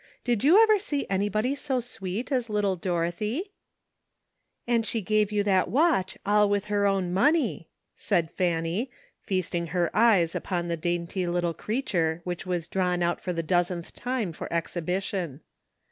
Did you ever see anybody so sweet as little Dorothy?" *' And she gave you that watch, all with her own money," said Fanny, feasting her eyes upon the dainty little creature which was drawn out for the dozenth time for exhibition.